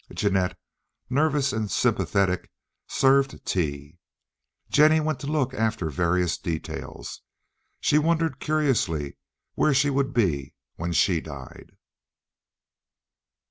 Jeannette, nervous and sympathetic, served tea. Jennie went to look after various details. She wondered curiously where she would be when she died.